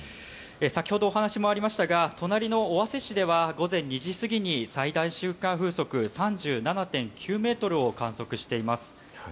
先ほどお話にもありましたが、隣の尾鷲市では午前２時過ぎに最大瞬間風速３７．９メートルを観測しています。